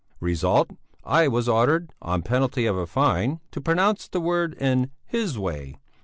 Result: I was ordered, on penalty of a fine, to pronounce the word in his way.